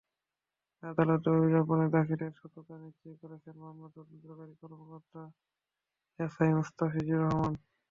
আদালতে অভিযোগপত্র দাখিলের সত্যতা নিশ্চিত করেছেন মামলার তদন্তকারী কর্মকর্তা এসআই মোস্তাফিজুর রহমান।